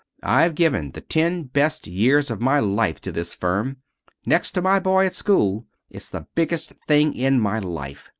I've given the ten best years of my life to this firm. Next to my boy at school it's the biggest thing in my life.